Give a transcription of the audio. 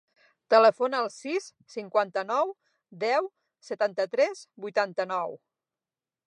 Telefona al sis, cinquanta-nou, deu, setanta-tres, vuitanta-nou.